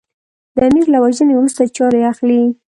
د امیر له وژنې وروسته چارې اخلي.